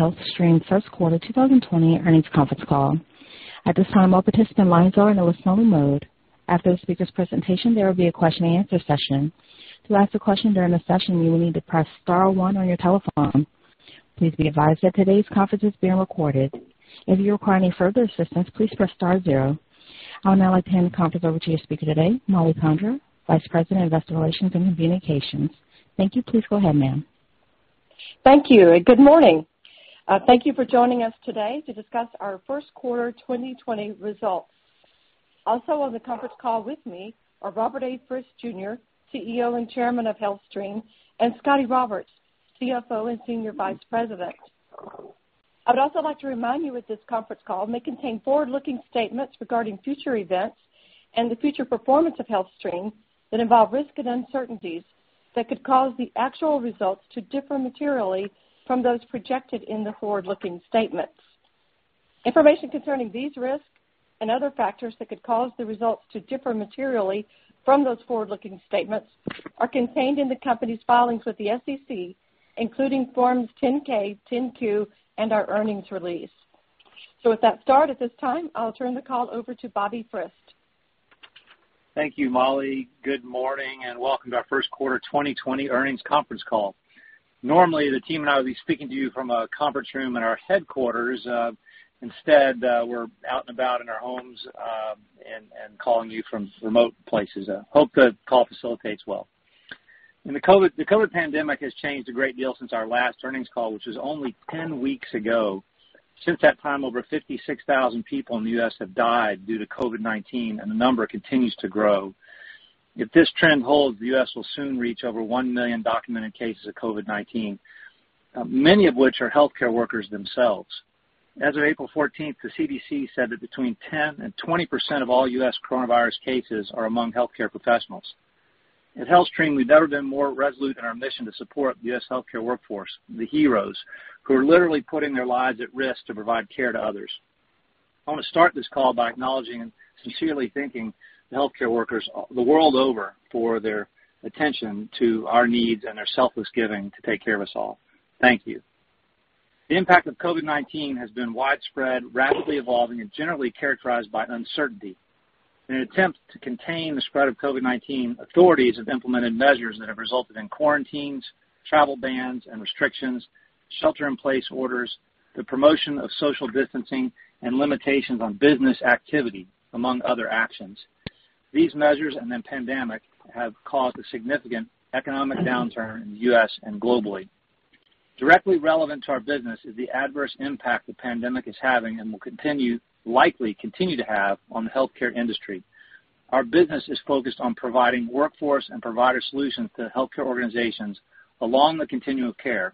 HealthStream first quarter 2020 earnings conference call. At this time, all participant lines are in a listen-only mode. After the speaker's presentation, there will be a question and answer session. To ask a question during the session, you will need to press star one on your telephone. Please be advised that today's conference is being recorded. If you require any further assistance, please press star zero. I'll now hand the conference over to your speaker today, Mollie Condra, Vice President, Investor Relations and Communications. Thank you. Please go ahead, ma'am. Thank you, and good morning. Thank you for joining us today to discuss our first quarter 2020 results. Also on the conference call with me are Robert A. Frist Jr., CEO and Chairman of HealthStream, and Scott Roberts, CFO and Senior Vice President. I would also like to remind you that this conference call may contain forward-looking statements regarding future events and the future performance of HealthStream that involve risk and uncertainties that could cause the actual results to differ materially from those projected in the forward-looking statements. Information concerning these risks and other factors that could cause the results to differ materially from those forward-looking statements are contained in the company's filings with the SEC, including Forms 10-K, 10-Q, and our earnings release. With that start, at this time, I'll turn the call over to Robert Frist. Thank you, Mollie. Good morning and welcome to our first quarter 2020 earnings conference call. Normally, the team and I would be speaking to you from a conference room in our headquarters. Instead, we're out and about in our homes, and calling you from remote places. I hope the call facilitates well. The COVID-19 pandemic has changed a great deal since our last earnings call, which was only 10 weeks ago. Since that time, over 56,000 people in the U.S. have died due to COVID-19, and the number continues to grow. If this trend holds, the U.S. will soon reach over one million documented cases of COVID-19, many of which are healthcare workers themselves. As of April 14th, the CDC said that between 10% and 20% of all U.S. coronavirus cases are among healthcare professionals. At HealthStream, we've never been more resolute in our mission to support the U.S. healthcare workforce, the heroes, who are literally putting their lives at risk to provide care to others. I want to start this call by acknowledging and sincerely thanking the healthcare workers the world over for their attention to our needs and their selfless giving to take care of us all. Thank you. The impact of COVID-19 has been widespread, rapidly evolving, and generally characterized by uncertainty. In an attempt to contain the spread of COVID-19, authorities have implemented measures that have resulted in quarantines, travel bans and restrictions, shelter-in-place orders, the promotion of social distancing, and limitations on business activity, among other actions. These measures and the pandemic have caused a significant economic downturn in the U.S. and globally. Directly relevant to our business is the adverse impact the pandemic is having and will likely continue to have on the healthcare industry. Our business is focused on providing workforce and provider solutions to healthcare organizations along the continuum of care,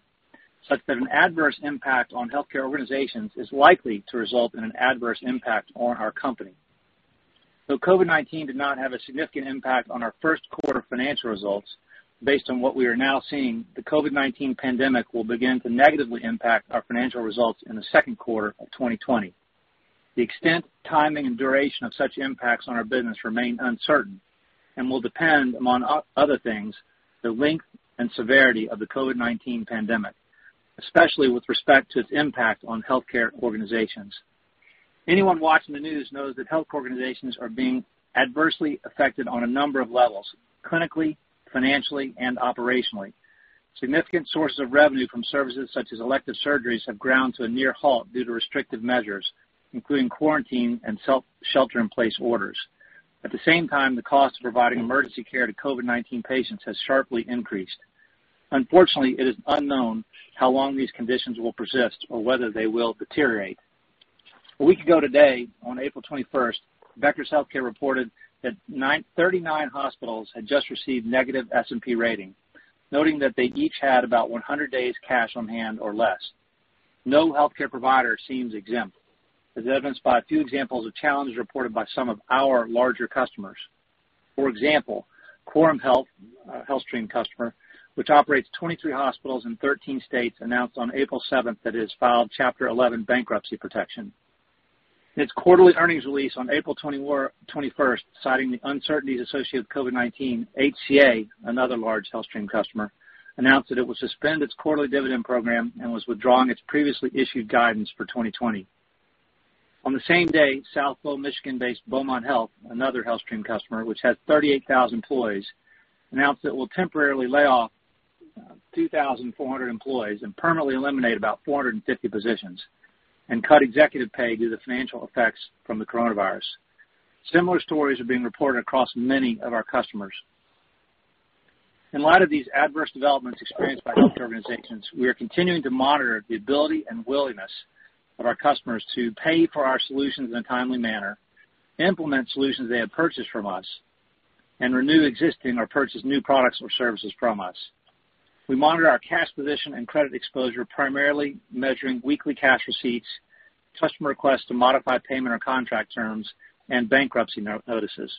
such that an adverse impact on healthcare organizations is likely to result in an adverse impact on our company. Though COVID-19 did not have a significant impact on our first quarter financial results, based on what we are now seeing, the COVID-19 pandemic will begin to negatively impact our financial results in the second quarter of 2020. The extent, timing, and duration of such impacts on our business remain uncertain and will depend, among other things, the length and severity of the COVID-19 pandemic, especially with respect to its impact on healthcare organizations. Anyone watching the news knows that health organizations are being adversely affected on a number of levels, clinically, financially, and operationally. Significant sources of revenue from services such as elective surgeries have ground to a near halt due to restrictive measures, including quarantine and shelter in place orders. At the same time, the cost of providing emergency care to COVID-19 patients has sharply increased. Unfortunately, it is unknown how long these conditions will persist or whether they will deteriorate. A week ago today, on April 21st, Becker's Healthcare reported that 39 hospitals had just received negative S&P Ratings, noting that they each had about 100 days cash on hand or less. No healthcare provider seems exempt, as evidenced by a few examples of challenges reported by some of our larger customers. For example, Quorum Health, a HealthStream customer, which operates 23 hospitals in 13 states, announced on April 7th that it has filed Chapter 11 bankruptcy protection. In its quarterly earnings release on April 21st, citing the uncertainties associated with COVID-19, HCA, another large HealthStream customer, announced that it would suspend its quarterly dividend program and was withdrawing its previously issued guidance for 2020. On the same day, Southfield, Michigan-based Beaumont Health, another HealthStream customer, which has 38,000 employees, announced it will temporarily lay off 2,400 employees and permanently eliminate about 450 positions and cut executive pay due to financial effects from the coronavirus. Similar stories are being reported across many of our customers. In light of these adverse developments experienced by health organizations, we are continuing to monitor the ability and willingness of our customers to pay for our solutions in a timely manner, implement solutions they have purchased from us, and renew existing or purchase new products or services from us. We monitor our cash position and credit exposure, primarily measuring weekly cash receipts, customer requests to modify payment or contract terms, and bankruptcy notices.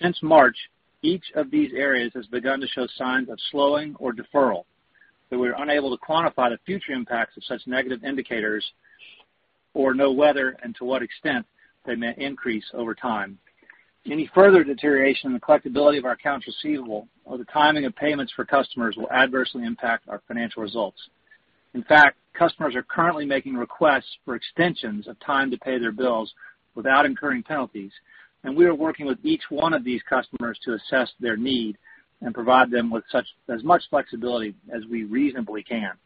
Since March, each of these areas has begun to show signs of slowing or deferral, though we are unable to quantify the future impacts of such negative indicators or know whether and to what extent they may increase over time. Any further deterioration in the collectability of our accounts receivable or the timing of payments for customers will adversely impact our financial results. In fact, customers are currently making requests for extensions of time to pay their bills without incurring penalties, and we are working with each one of these customers to assess their need and provide them with as much flexibility as we reasonably can.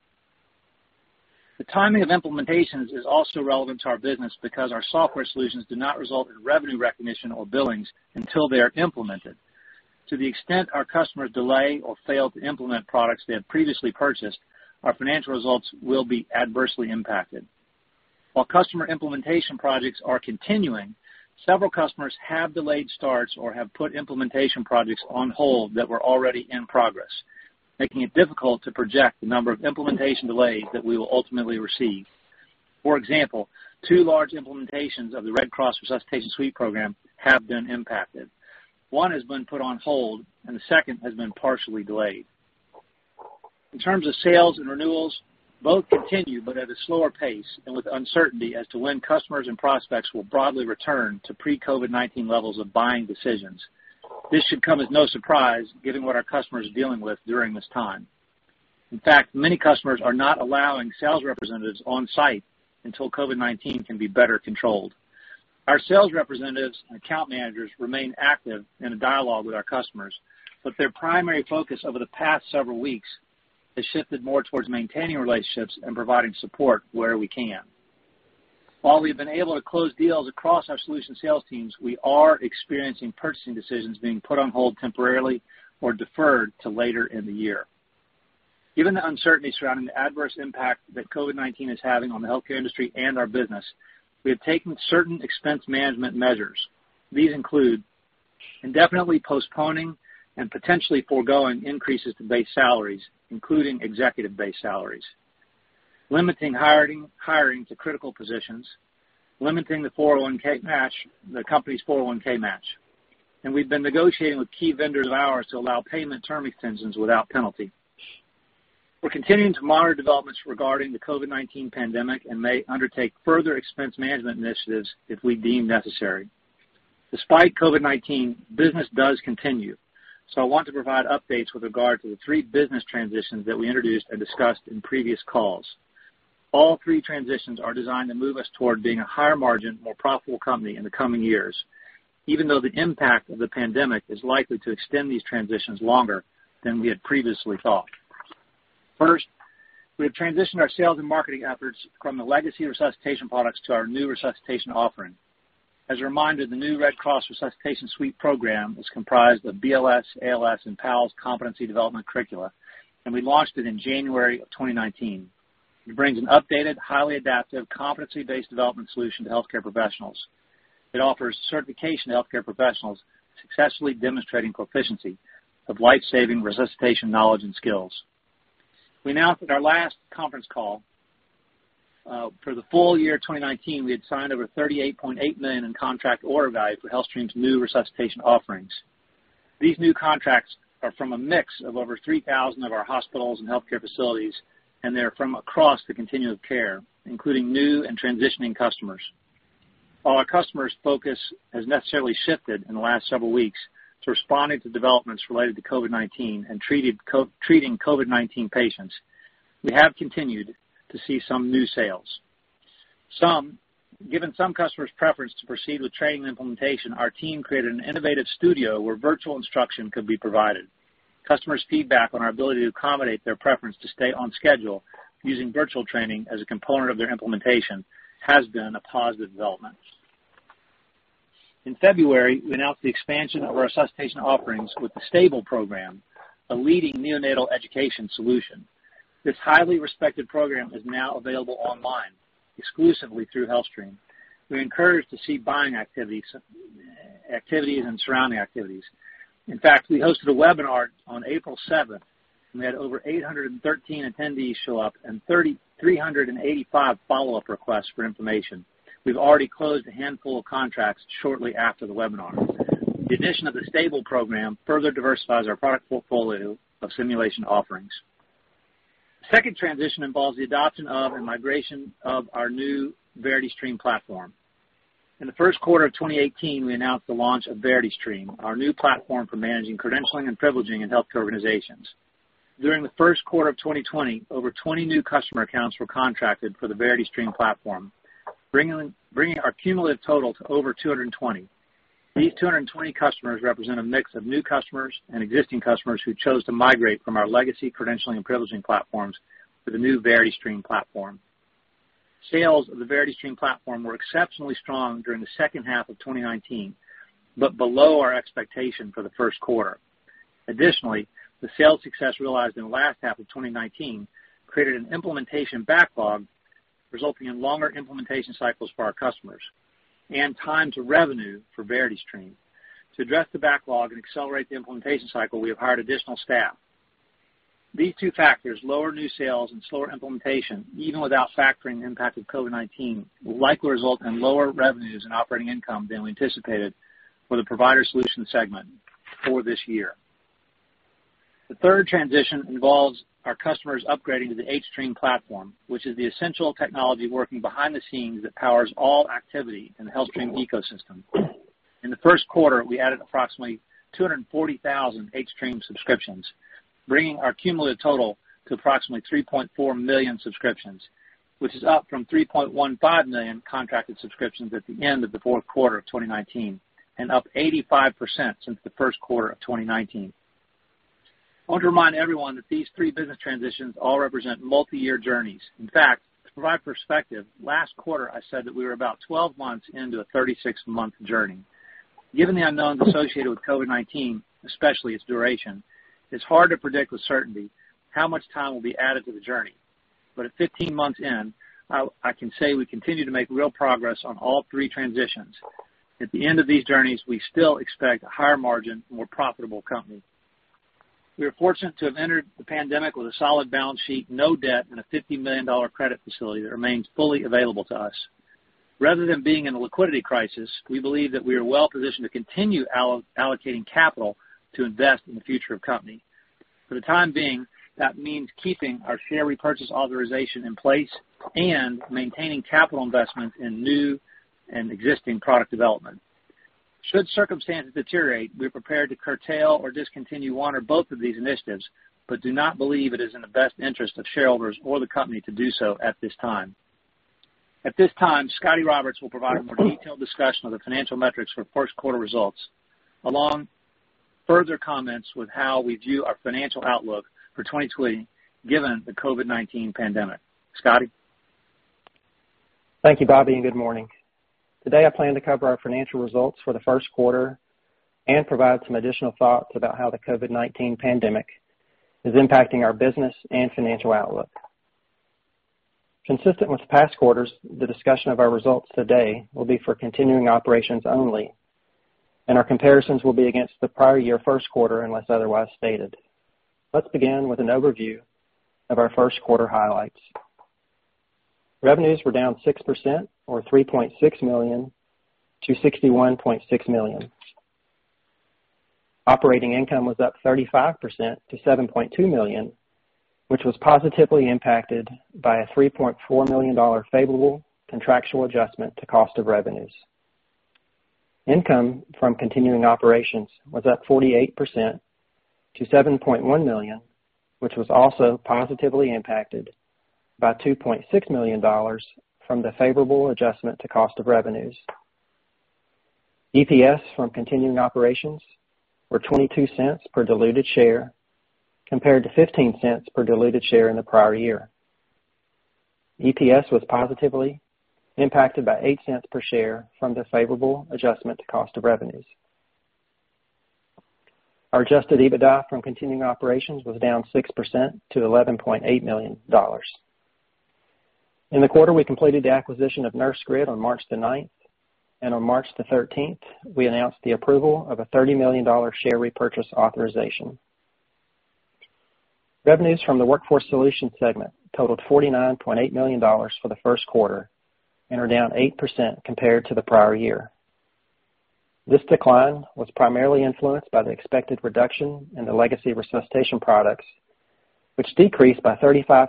The timing of implementations is also relevant to our business because our software solutions do not result in revenue recognition or billings until they are implemented. To the extent our customers delay or fail to implement products they have previously purchased, our financial results will be adversely impacted. While customer implementation projects are continuing, several customers have delayed starts or have put implementation projects on hold that were already in progress, making it difficult to project the number of implementation delays that we will ultimately receive. For example, two large implementations of the Red Cross Resuscitation Suite program have been impacted. One has been put on hold, and the second has been partially delayed. In terms of sales and renewals, both continue, but at a slower pace and with uncertainty as to when customers and prospects will broadly return to pre-COVID-19 levels of buying decisions. This should come as no surprise given what our customers are dealing with during this time. In fact, many customers are not allowing sales representatives on site until COVID-19 can be better controlled. Our sales representatives and account managers remain active in a dialogue with our customers, but their primary focus over the past several weeks has shifted more towards maintaining relationships and providing support where we can. While we've been able to close deals across our solution sales teams, we are experiencing purchasing decisions being put on hold temporarily or deferred to later in the year. Given the uncertainty surrounding the adverse impact that COVID-19 is having on the healthcare industry and our business, we have taken certain expense management measures. These include indefinitely postponing and potentially foregoing increases to base salaries, including executive base salaries, limiting hiring to critical positions, limiting the company's 401(k) match, and we've been negotiating with key vendors of ours to allow payment term extensions without penalty. We're continuing to monitor developments regarding the COVID-19 pandemic and may undertake further expense management initiatives if we deem necessary. Despite COVID-19, business does continue, I want to provide updates with regard to the three business transitions that we introduced and discussed in previous calls. All three transitions are designed to move us toward being a higher margin, more profitable company in the coming years, even though the impact of the pandemic is likely to extend these transitions longer than we had previously thought. First, we have transitioned our sales and marketing efforts from the legacy resuscitation products to our new resuscitation offering. As a reminder, the new Red Cross Resuscitation Suite program is comprised of BLS, ALS, and PALS competency development curricula, and we launched it in January of 2019. It brings an updated, highly adaptive, competency-based development solution to healthcare professionals. It offers certification to healthcare professionals, successfully demonstrating proficiency of life-saving resuscitation knowledge and skills. We announced at our last conference call for the full year 2019, we had signed over $38.8 million in contract order value for HealthStream's new resuscitation offerings. These new contracts are from a mix of over 3,000 of our hospitals and healthcare facilities, and they are from across the continuum of care, including new and transitioning customers. While our customers' focus has necessarily shifted in the last several weeks to responding to developments related to COVID-19 and treating COVID-19 patients, we have continued to see some new sales. Given some customers' preference to proceed with training and implementation, our team created an innovative studio where virtual instruction could be provided. Customers' feedback on our ability to accommodate their preference to stay on schedule using virtual training as a component of their implementation has been a positive development. In February, we announced the expansion of our resuscitation offerings with the S.T.A.B.L.E. Program, a leading neonatal education solution. This highly respected program is now available online exclusively through HealthStream. We're encouraged to see buying activities and surrounding activities. In fact, we hosted a webinar on April 7, and we had over 813 attendees show up and 385 follow-up requests for information. We've already closed a handful of contracts shortly after the webinar. The addition of The S.T.A.B.L.E. Program further diversifies our product portfolio of simulation offerings. The second transition involves the adoption of and migration of our new VerityStream platform. In the first quarter of 2018, we announced the launch of VerityStream, our new platform for managing credentialing and privileging in healthcare organizations. During the first quarter of 2020, over 20 new customer accounts were contracted for the VerityStream platform, bringing our cumulative total to over 220. These 220 customers represent a mix of new customers and existing customers who chose to migrate from our legacy credentialing and privileging platforms to the new VerityStream platform. Sales of the VerityStream platform were exceptionally strong during the second half of 2019, but below our expectation for the first quarter. Additionally, the sales success realized in the last half of 2019 created an implementation backlog, resulting in longer implementation cycles for our customers and time to revenue for VerityStream. To address the backlog and accelerate the implementation cycle, we have hired additional staff. These two factors, lower new sales and slower implementation, even without factoring the impact of COVID-19, will likely result in lower revenues and operating income than we anticipated for the Provider Solutions segment for this year. The third transition involves our customers upgrading to the hStream platform, which is the essential technology working behind the scenes that powers all activity in the HealthStream ecosystem. In the first quarter, we added approximately 240,000 hStream subscriptions, bringing our cumulative total to approximately 3.4 million subscriptions, which is up from 3.15 million contracted subscriptions at the end of the fourth quarter of 2019, and up 85% since the first quarter of 2019. I want to remind everyone that these three business transitions all represent multi-year journeys. In fact, to provide perspective, last quarter, I said that we were about 12 months into a 36-month journey. Given the unknowns associated with COVID-19, especially its duration, it is hard to predict with certainty how much time will be added to the journey. At 15 months in, I can say we continue to make real progress on all three transitions. At the end of these journeys, we still expect a higher margin, more profitable company. We are fortunate to have entered the pandemic with a solid balance sheet, no debt, and a $50 million credit facility that remains fully available to us. Rather than being in a liquidity crisis, we believe that we are well positioned to continue allocating capital to invest in the future of company. For the time being, that means keeping our share repurchase authorization in place and maintaining capital investment in new and existing product development. Should circumstances deteriorate, we're prepared to curtail or discontinue one or both of these initiatives, Do not believe it is in the best interest of shareholders or the company to do so at this time. At this time, Scott Roberts will provide a more detailed discussion of the financial metrics for first quarter results, along further comments with how we view our financial outlook for 2020 given the COVID-19 pandemic. Scott? Thank you, Robert, and good morning. Today, I plan to cover our financial results for the first quarter and provide some additional thoughts about how the COVID-19 pandemic is impacting our business and financial outlook. Consistent with past quarters, the discussion of our results today will be for continuing operations only, and our comparisons will be against the prior year first quarter, unless otherwise stated. Let's begin with an overview of our first quarter highlights. Revenues were down 6%, or $3.6 million, to $61.6 million. Operating income was up 35% to $7.2 million, which was positively impacted by a $3.4 million favorable contractual adjustment to cost of revenues. Income from continuing operations was up 48% to $7.1 million, which was also positively impacted by $2.6 million from the favorable adjustment to cost of revenues. EPS from continuing operations were $0.22 per diluted share compared to $0.15 per diluted share in the prior year. EPS was positively impacted by $0.08 per share from the favorable adjustment to cost of revenues. Our adjusted EBITDA from continuing operations was down 6% to $11.8 million. In the quarter, we completed the acquisition of Nursegrid on March 9th, and on March 13th, we announced the approval of a $30 million share repurchase authorization. Revenues from the Workforce Solutions segment totaled $49.8 million for the first quarter and are down 8% compared to the prior year. This decline was primarily influenced by the expected reduction in the legacy resuscitation products, which decreased by 35%,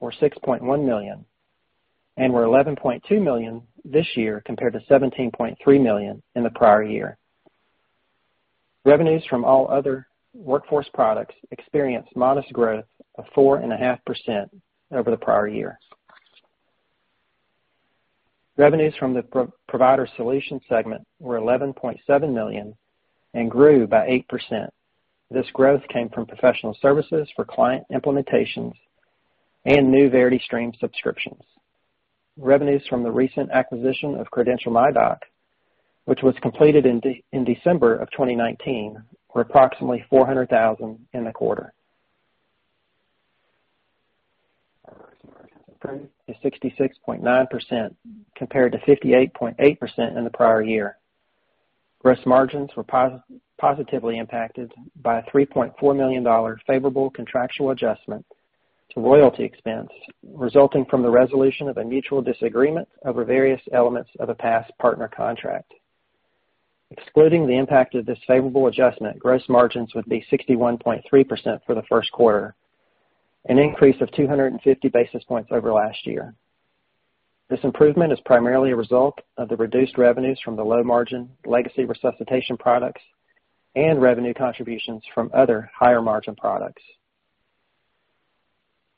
or $6.1 million, and were $11.2 million this year compared to $17.3 million in the prior year. Revenues from all other workforce products experienced modest growth of 4.5% over the prior year. Revenues from the Provider Solutions segment were $11.7 million and grew by 8%. This growth came from professional services for client implementations and new VerityStream subscriptions. Revenues from the recent acquisition of CredentialMyDoc, which was completed in December of 2019, were approximately $400,000 in the quarter. Gross margin improved to 66.9%, compared to 58.8% in the prior year. Gross margins were positively impacted by a $3.4 million favorable contractual adjustment to royalty expense, resulting from the resolution of a mutual disagreement over various elements of a past partner contract. Excluding the impact of this favorable adjustment, gross margins would be 61.3% for the first quarter, an increase of 250 basis points over last year. This improvement is primarily a result of the reduced revenues from the low-margin legacy resuscitation products and revenue contributions from other higher-margin products.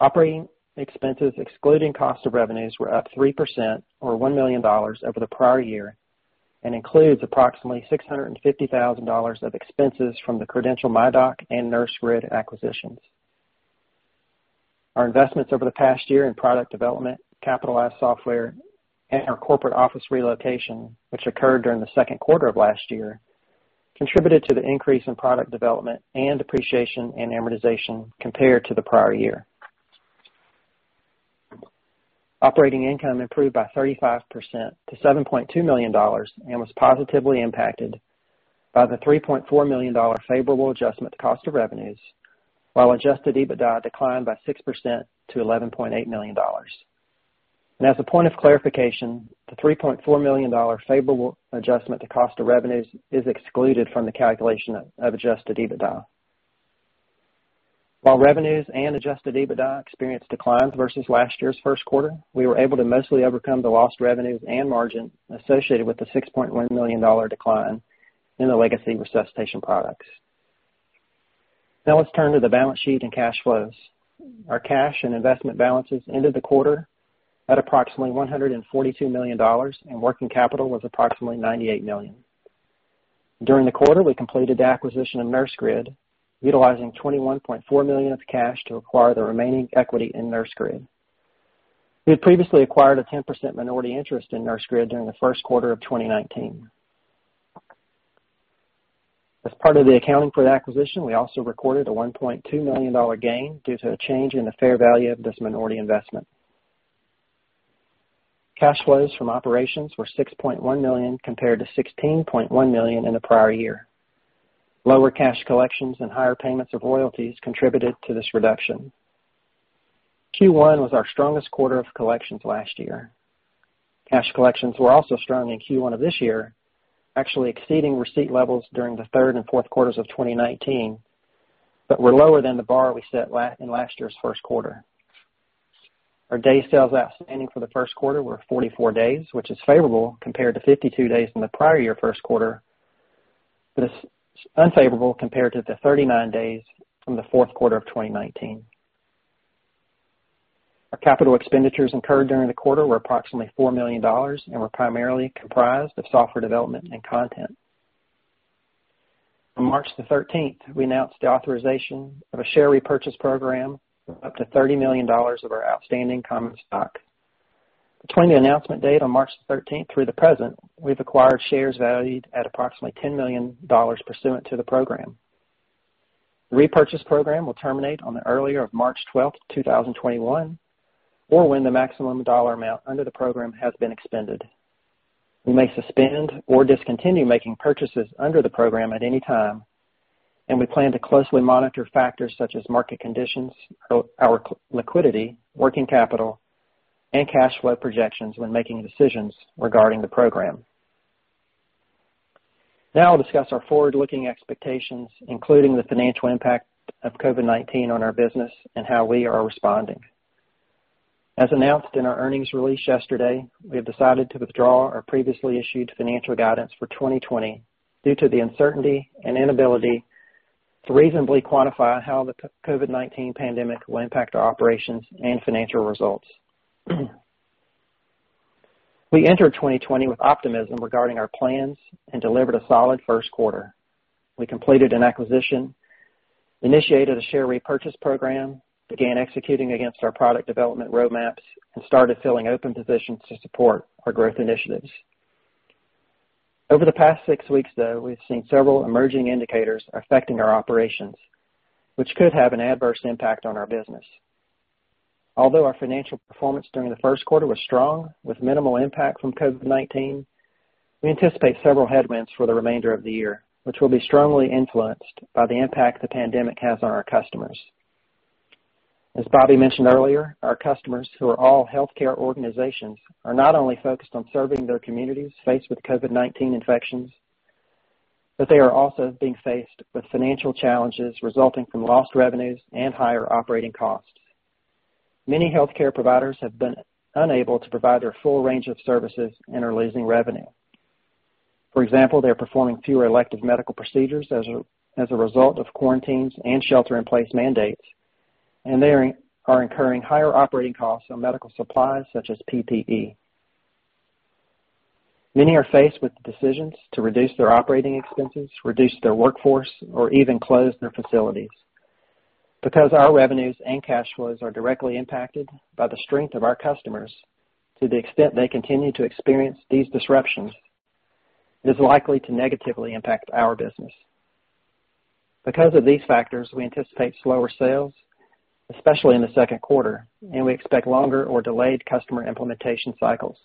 Operating expenses, excluding cost of revenues, were up 3%, or $1 million over the prior year, and includes approximately $650,000 of expenses from the CredentialMyDoc and Nursegrid acquisitions. Our investments over the past year in product development, capitalized software, and our corporate office relocation, which occurred during the second quarter of last year, contributed to the increase in product development and depreciation and amortization compared to the prior year. Operating income improved by 35% to $7.2 million and was positively impacted by the $3.4 million favorable adjustment to cost of revenues, while adjusted EBITDA declined by 6% to $11.8 million. As a point of clarification, the $3.4 million favorable adjustment to cost of revenues is excluded from the calculation of adjusted EBITDA. While revenues and adjusted EBITDA experienced declines versus last year's first quarter, we were able to mostly overcome the lost revenues and margin associated with the $6.1 million decline in the legacy resuscitation products. Let's turn to the balance sheet and cash flows. Our cash and investment balances ended the quarter at approximately $142 million, and working capital was approximately $98 million. During the quarter, we completed the acquisition of Nursegrid, utilizing $21.4 million of cash to acquire the remaining equity in Nursegrid. We had previously acquired a 10% minority interest in Nursegrid during the first quarter of 2019. As part of the accounting for the acquisition, we also recorded a $1.2 million gain due to a change in the fair value of this minority investment. Cash flows from operations were $6.1 million compared to $16.1 million in the prior year. Lower cash collections and higher payments of royalties contributed to this reduction. Q1 was our strongest quarter of collections last year. Cash collections were also strong in Q1 of this year, actually exceeding receipt levels during the third and fourth quarters of 2019, but were lower than the bar we set in last year's first quarter. Our day sales outstanding for the first quarter were 44 days, which is favorable compared to 52 days in the prior year first quarter. It's unfavorable compared to the 39 days from the fourth quarter of 2019. Our capital expenditures incurred during the quarter were approximately $4 million and were primarily comprised of software development and content. On March the 13th, we announced the authorization of a share repurchase program of up to $30 million of our outstanding common stock. Between the announcement date on March 13th through the present, we've acquired shares valued at approximately $10 million pursuant to the program. The repurchase program will terminate on the earlier of March 12th, 2021, or when the maximum dollar amount under the program has been expended. We may suspend or discontinue making purchases under the program at any time, and we plan to closely monitor factors such as market conditions, our liquidity, working capital, and cash flow projections when making decisions regarding the program. Now I'll discuss our forward-looking expectations, including the financial impact of COVID-19 on our business and how we are responding. As announced in our earnings release yesterday, we have decided to withdraw our previously issued financial guidance for 2020 due to the uncertainty and inability to reasonably quantify how the COVID-19 pandemic will impact our operations and financial results. We entered 2020 with optimism regarding our plans and delivered a solid first quarter. We completed an acquisition, initiated a share repurchase program, began executing against our product development roadmaps, and started filling open positions to support our growth initiatives. Over the past six weeks, though, we've seen several emerging indicators affecting our operations, which could have an adverse impact on our business. Although our financial performance during the first quarter was strong with minimal impact from COVID-19, we anticipate several headwinds for the remainder of the year, which will be strongly influenced by the impact the pandemic has on our customers. As Robert mentioned earlier, our customers, who are all healthcare organizations, are not only focused on serving their communities faced with COVID-19 infections, but they are also being faced with financial challenges resulting from lost revenues and higher operating costs. Many healthcare providers have been unable to provide their full range of services and are losing revenue. For example, they're performing fewer elective medical procedures as a result of quarantines and shelter-in-place mandates, and they are incurring higher operating costs on medical supplies such as PPE. Many are faced with decisions to reduce their operating expenses, reduce their workforce, or even close their facilities. Our revenues and cash flows are directly impacted by the strength of our customers, to the extent they continue to experience these disruptions, it is likely to negatively impact our business. Of these factors, we anticipate slower sales, especially in the second quarter, and we expect longer or delayed customer implementation cycles.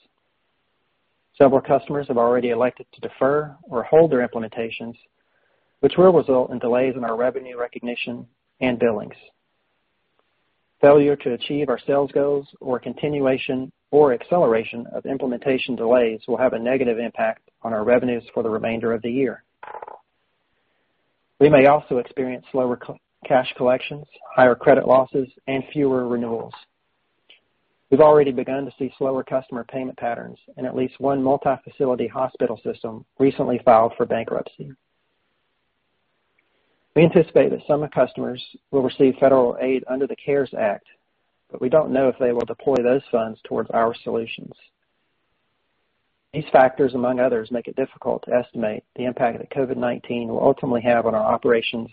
Several customers have already elected to defer or hold their implementations, which will result in delays in our revenue recognition and billings. Failure to achieve our sales goals or continuation or acceleration of implementation delays will have a negative impact on our revenues for the remainder of the year. We may also experience slower cash collections, higher credit losses, and fewer renewals. We've already begun to see slower customer payment patterns. At least one multi-facility hospital system recently filed for bankruptcy. We anticipate that some customers will receive federal aid under the CARES Act. We don't know if they will deploy those funds towards our solutions. These factors, among others, make it difficult to estimate the impact that COVID-19 will ultimately have on our operations,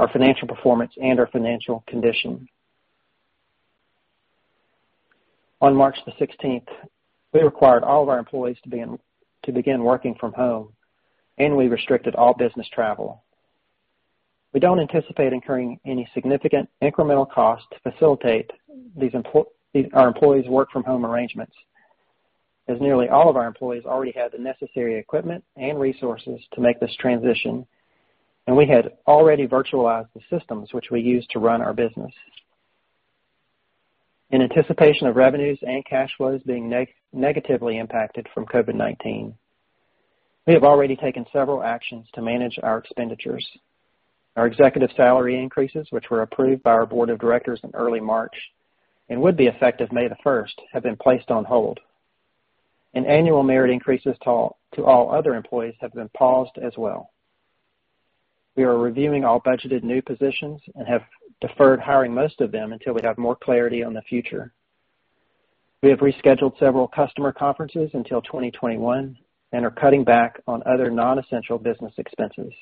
our financial performance, and our financial condition. On March the 16th, we required all of our employees to begin working from home. We restricted all business travel. We don't anticipate incurring any significant incremental cost to facilitate our employees' work-from-home arrangements. As nearly all of our employees already have the necessary equipment and resources to make this transition, and we had already virtualized the systems which we use to run our business. In anticipation of revenues and cash flows being negatively impacted from COVID-19, we have already taken several actions to manage our expenditures. Our executive salary increases, which were approved by our board of directors in early March and would be effective May the 1st, have been placed on hold, and annual merit increases to all other employees have been paused as well. We are reviewing all budgeted new positions and have deferred hiring most of them until we have more clarity on the future. We have rescheduled several customer conferences until 2021 and are cutting back on other non-essential business expenses.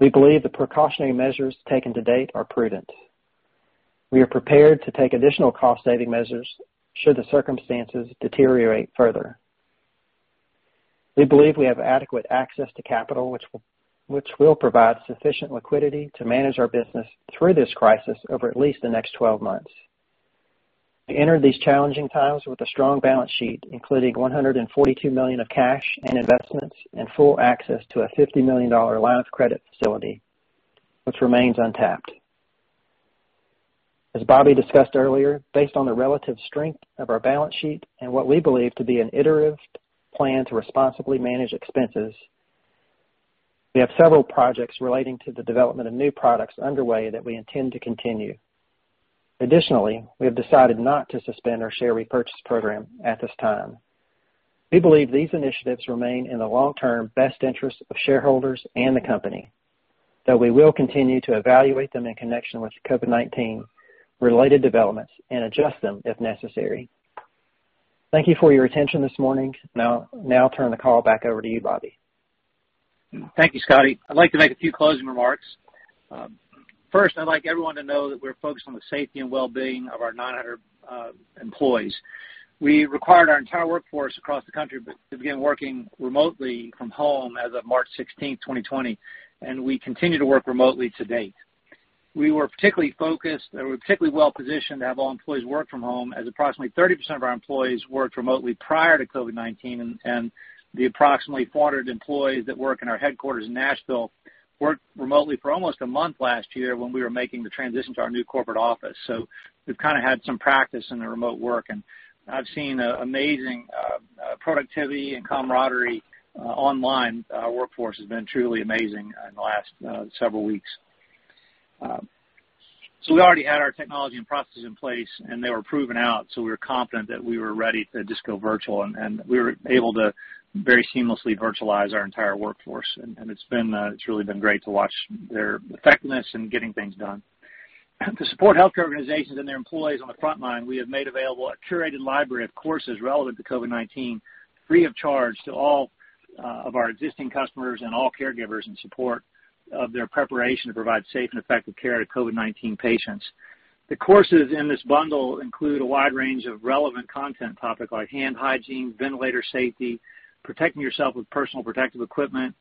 We believe the precautionary measures taken to date are prudent. We are prepared to take additional cost-saving measures should the circumstances deteriorate further. We believe we have adequate access to capital, which will provide sufficient liquidity to manage our business through this crisis over at least the next 12 months. We enter these challenging times with a strong balance sheet, including $142 million of cash and investments and full access to a $50 million line of credit facility, which remains untapped. As Robert discussed earlier, based on the relative strength of our balance sheet and what we believe to be an iterative plan to responsibly manage expenses, we have several projects relating to the development of new products underway that we intend to continue. Additionally, we have decided not to suspend our share repurchase program at this time. We believe these initiatives remain in the long-term best interest of shareholders and the company, though we will continue to evaluate them in connection with COVID-19-related developments and adjust them if necessary. Thank you for your attention this morning. I'll turn the call back over to you, Robert. Thank you, Scott. I'd like to make a few closing remarks. First, I'd like everyone to know that we're focused on the safety and well-being of our 900 employees. We required our entire workforce across the country to begin working remotely from home as of March 16th, 2020, and we continue to work remotely to date. We were particularly well-positioned to have all employees work from home as approximately 30% of our employees worked remotely prior to COVID-19, and the approximately 400 employees that work in our headquarters in Nashville worked remotely for almost a month last year when we were making the transition to our new corporate office. We've kind of had some practice in the remote work, and I've seen amazing productivity and camaraderie online. Our workforce has been truly amazing in the last several weeks. We already had our technology and processes in place, and they were proven out, so we were confident that we were ready to just go virtual, and we were able to very seamlessly virtualize our entire workforce. It's really been great to watch their effectiveness in getting things done. To support healthcare organizations and their employees on the front line, we have made available a curated library of courses relevant to COVID-19 free of charge to all of our existing customers and all caregivers in support of their preparation to provide safe and effective care to COVID-19 patients. The courses in this bundle include a wide range of relevant content topics like hand hygiene, ventilator safety, protecting yourself with personal protective equipment,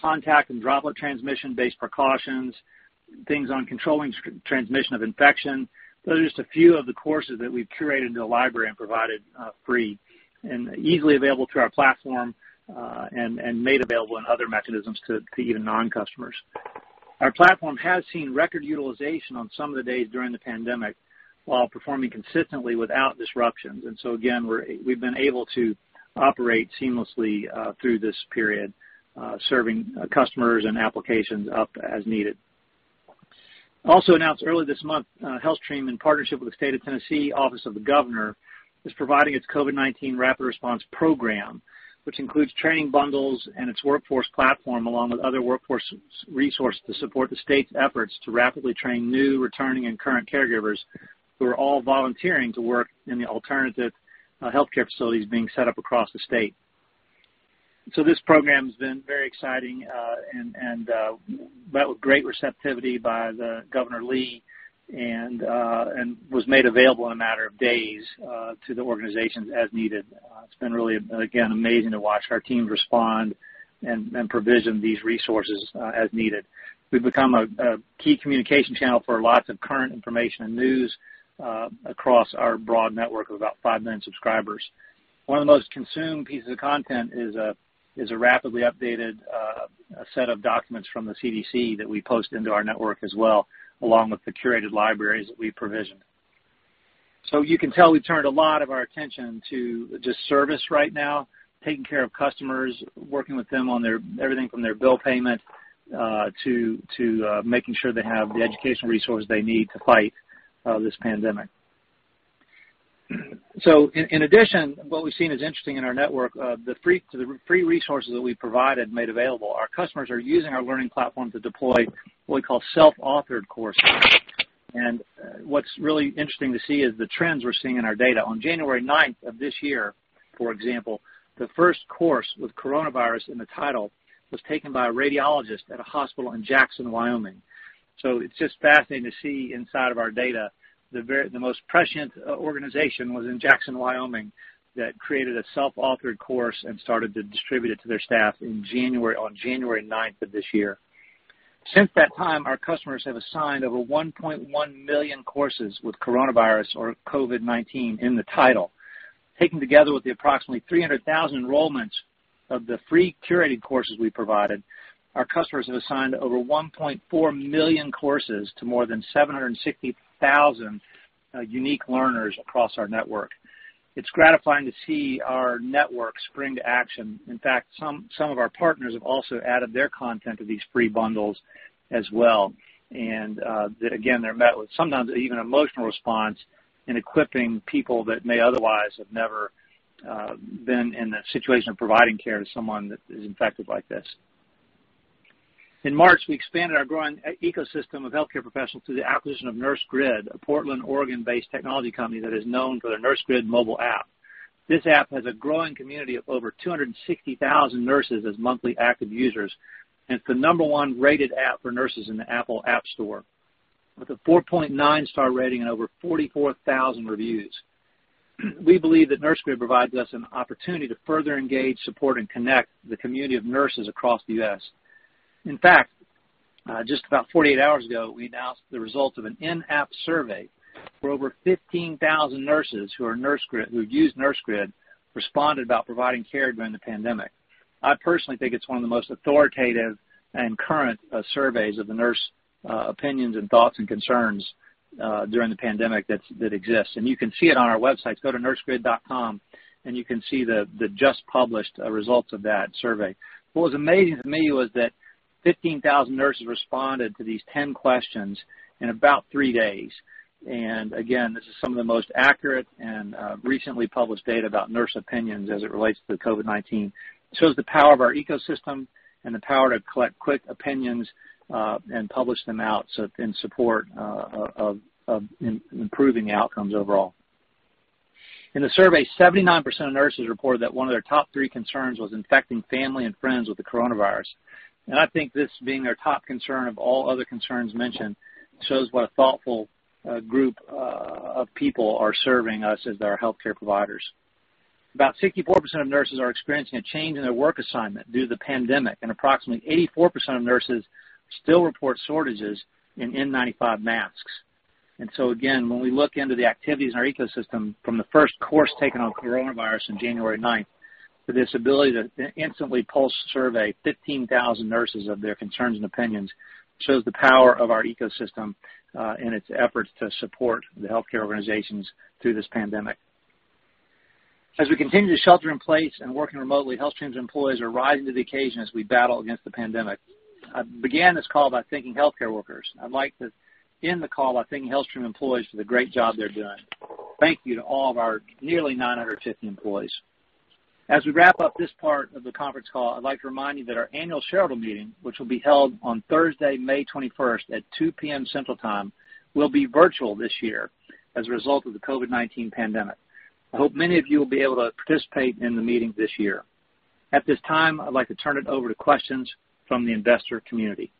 contact and droplet transmission-based precautions, things on controlling transmission of infection. Those are just a few of the courses that we've curated into a library and provided free and easily available through our platform, and made available in other mechanisms to even non-customers. Our platform has seen record utilization on some of the days during the pandemic while performing consistently without disruptions. Again, we've been able to operate seamlessly through this period, serving customers and applications up as needed. Also announced earlier this month, HealthStream, in partnership with the State of Tennessee Office of the Governor, is providing its COVID-19 Rapid Response Program, which includes training bundles and its workforce platform, along with other workforce resources to support the state's efforts to rapidly train new, returning, and current caregivers who are all volunteering to work in the alternative healthcare facilities being set up across the state. This program has been very exciting and met with great receptivity by Governor Lee and was made available in a matter of days to the organizations as needed. It's been really, again, amazing to watch our teams respond and provision these resources as needed. We've become a key communication channel for lots of current information and news across our broad network of about five million subscribers. One of the most consumed pieces of content is a rapidly updated set of documents from the CDC that we post into our network as well, along with the curated libraries that we provision. You can tell we've turned a lot of our attention to just service right now, taking care of customers, working with them on everything from their bill payment to making sure they have the educational resources they need to fight this pandemic. In addition, what we've seen is interesting in our network, the free resources that we've provided and made available. Our customers are using our learning platform to deploy what we call self-authored courses. What's really interesting to see is the trends we're seeing in our data. On January 9th of this year, for example, the first course with coronavirus in the title was taken by a radiologist at a hospital in Jackson, Wyoming. It's just fascinating to see inside of our data, the most prescient organization was in Jackson, Wyoming, that created a self-authored course and started to distribute it to their staff on January 9th of this year. Since that time, our customers have assigned over 1.1 million courses with coronavirus or COVID-19 in the title. Taken together with the approximately 300,000 enrollments of the free curated courses we provided, our customers have assigned over 1.4 million courses to more than 760,000 unique learners across our network. It's gratifying to see our network spring to action. In fact, some of our partners have also added their content to these free bundles as well. That, again, they're met with sometimes even emotional response in equipping people that may otherwise have never been in the situation of providing care to someone that is infected like this. In March, we expanded our growing ecosystem of healthcare professionals through the acquisition of Nursegrid, a Portland, Oregon-based technology company that is known for their Nursegrid mobile app. This app has a growing community of over 260,000 nurses as monthly active users, and it's the number one rated app for nurses in the Apple App Store, with a 4.9 star rating and over 44,000 reviews. We believe that Nursegrid provides us an opportunity to further engage, support, and connect the community of nurses across the U.S. In fact, just about 48 hours ago, we announced the result of an in-app survey where over 15,000 nurses who've used Nursegrid responded about providing care during the pandemic. I personally think it's one of the most authoritative and current surveys of the nurse opinions and thoughts and concerns during the pandemic that exists. You can see it on our website. Go to Nursegrid.com and you can see the just-published results of that survey. What was amazing to me was that 15,000 nurses responded to these 10 questions in about three days. Again, this is some of the most accurate and recently published data about nurse opinions as it relates to COVID-19. It shows the power of our ecosystem and the power to collect quick opinions, and publish them out in support of improving outcomes overall. In the survey, 79% of nurses reported that one of their top three concerns was infecting family and friends with the coronavirus. I think this being their top concern of all other concerns mentioned, shows what a thoughtful group of people are serving us as our healthcare providers. About 64% of nurses are experiencing a change in their work assignment due to the pandemic, and approximately 84% of nurses still report shortages in N95 masks. Again, when we look into the activities in our ecosystem from the first course taken on coronavirus in January 9th, to this ability to instantly pulse survey 15,000 nurses of their concerns and opinions, shows the power of our ecosystem, and its efforts to support the healthcare organizations through this pandemic. As we continue to shelter in place and working remotely, HealthStream's employees are rising to the occasion as we battle against the pandemic. I began this call by thanking healthcare workers. I'd like to end the call by thanking HealthStream employees for the great job they're doing. Thank you to all of our nearly 950 employees. As we wrap up this part of the conference call, I'd like to remind you that our annual shareholder meeting, which will be held on Thursday, May 21st at 2:00 P.M. Central Time, will be virtual this year as a result of the COVID-19 pandemic. I hope many of you will be able to participate in the meeting this year. At this time, I'd like to turn it over to questions from the investor community.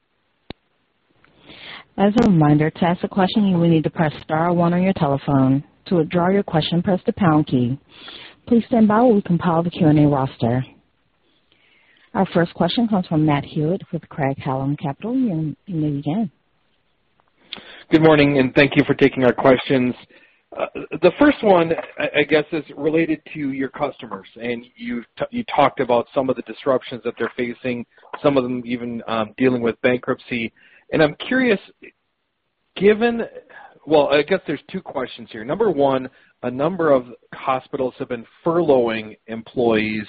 As a reminder, to ask a question, you will need to press star one on your telephone. To withdraw your question, press the pound key. Please stand by while we compile the Q&A roster. Our first question comes from Matt Hewitt with Craig-Hallum Capital. You may begin. Good morning, and thank you for taking our questions. The first one, I guess, is related to your customers, and you talked about some of the disruptions that they're facing, some of them even dealing with bankruptcy. I'm curious, well, I guess there's two questions here. Number one, a number of hospitals have been furloughing employees,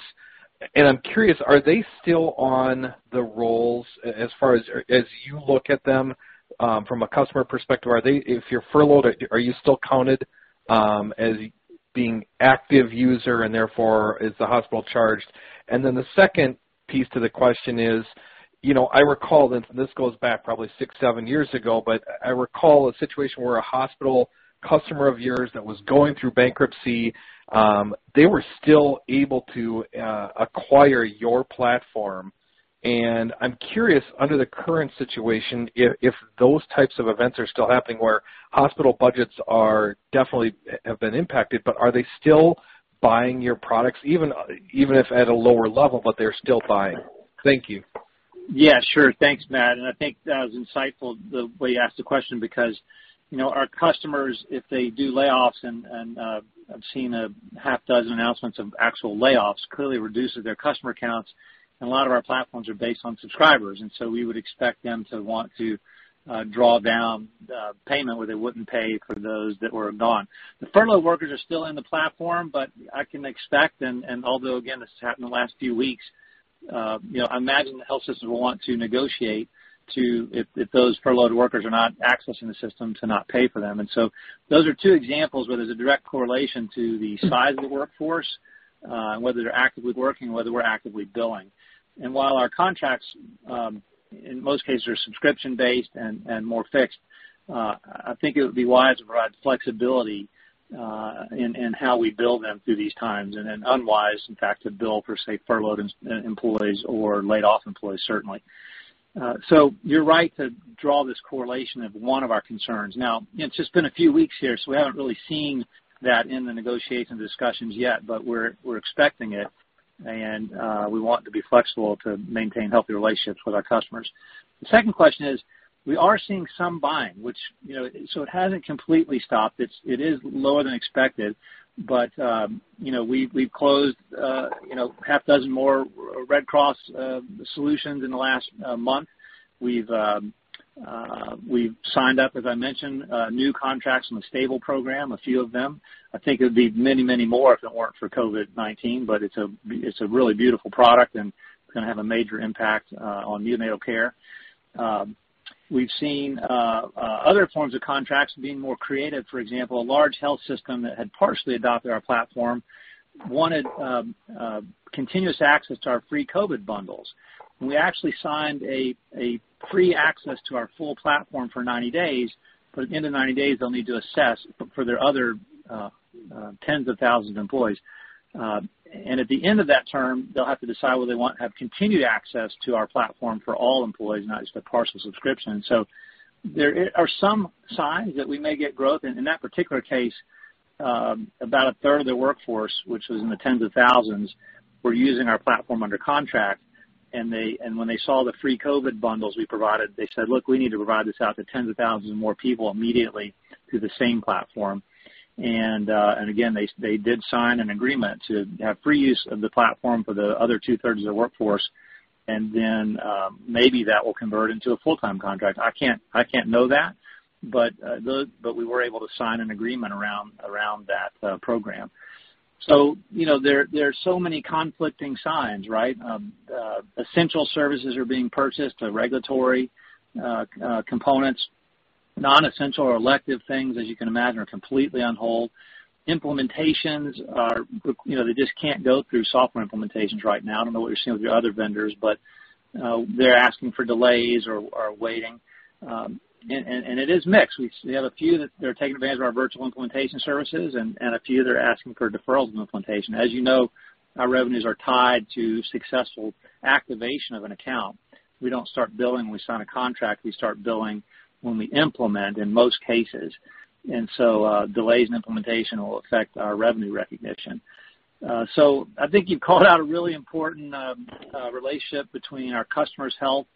and I'm curious, are they still on the rolls as far as you look at them from a customer perspective? If you're furloughed, are you still counted as being active user, and therefore is the hospital charged? The second piece to the question is, I recall, and this goes back probably six, seven years ago, but I recall a situation where a hospital customer of yours that was going through bankruptcy, they were still able to acquire your platform. I'm curious, under the current situation, if those types of events are still happening where hospital budgets definitely have been impacted, but are they still buying your products, even if at a lower level, but they're still buying? Thank you. Yeah, sure. Thanks, Matt. I think that was insightful the way you asked the question because our customers, if they do layoffs, and I've seen a half dozen announcements of actual layoffs, clearly reduces their customer counts, and a lot of our platforms are based on subscribers. So we would expect them to want to draw down payment where they wouldn't pay for those that were gone. The furloughed workers are still in the platform, but I can expect, and although again, this has happened in the last few weeks, I imagine the health systems will want to negotiate if those furloughed workers are not accessing the system to not pay for them. So those are two examples where there's a direct correlation to the size of the workforce, and whether they're actively working or whether we're actively billing. While our contracts, in most cases, are subscription-based and more fixed, I think it would be wise to provide flexibility in how we bill them through these times and then unwise, in fact, to bill for, say, furloughed employees or laid-off employees, certainly. You're right to draw this correlation of one of our concerns. It's just been a few weeks here, so we haven't really seen that in the negotiation discussions yet, but we're expecting it. We want to be flexible to maintain healthy relationships with our customers. The second question is, we are seeing some buying. It hasn't completely stopped. It is lower than expected, but we've closed a half dozen more Red Cross Resuscitation Suite in the last month. We've signed up, as I mentioned, new contracts in The S.T.A.B.L.E. Program, a few of them. I think it would be many more if it weren't for COVID-19, but it's a really beautiful product, and it's going to have a major impact on neonatal care. We've seen other forms of contracts being more creative. For example, a large health system that had partially adopted our platform wanted continuous access to our free COVID bundles. We actually signed a free access to our full platform for 90 days, but at the end of 90 days, they'll need to assess for their other tens of thousands of employees. At the end of that term, they'll have to decide whether they want to have continued access to our platform for all employees, not just the partial subscription. There are some signs that we may get growth. In that particular case, about a third of their workforce, which was in the tens of thousands, were using our platform under contract, and when they saw the free COVID bundles we provided, they said, "Look, we need to provide this out to tens of thousands of more people immediately through the same platform." Again, they did sign an agreement to have free use of the platform for the other 2/3 of their workforce, and then maybe that will convert into a full-time contract. I can't know that, but we were able to sign an agreement around that program. There are so many conflicting signs, right? Essential services are being purchased to regulatory components. Non-essential or elective things, as you can imagine, are completely on hold. Implementations, they just can't go through software implementations right now. I don't know what you're seeing with your other vendors, but they're asking for delays or waiting. It is mixed. We have a few that are taking advantage of our virtual implementation services and a few that are asking for deferrals in implementation. As you know, our revenues are tied to successful activation of an account. We don't start billing when we sign a contract. We start billing when we implement, in most cases. Delays in implementation will affect our revenue recognition. I think you've called out a really important relationship between our customers' health